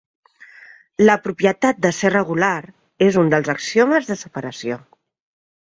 La propietat de ser regular és un dels axiomes de separació.